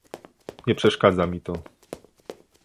Nie przeszkadza mi to